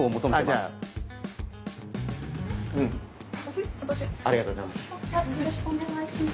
ありがとうございます。